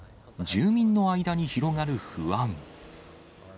住民の間に広がる不安。